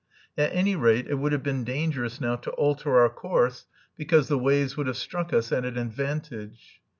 At any rate it would have been dangerous now to alter our course, because the waves would have struck us at an advantage.